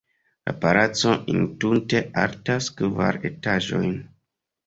La palaco entute altas kvar etaĝojn.